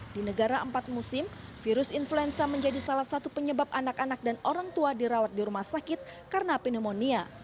di negara empat musim virus influenza menjadi salah satu penyebab anak anak dan orang tua dirawat di rumah sakit karena pneumonia